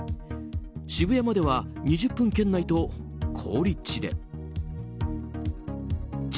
渋谷までは２０分圏内と好立地で築